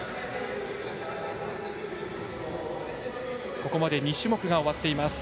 ここまで２種目が終わっています。